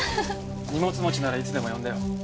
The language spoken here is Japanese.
荷物持ちならいつでも呼んでよ。